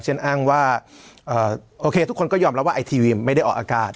อ้างว่าโอเคทุกคนก็ยอมรับว่าไอทีวีไม่ได้ออกอากาศ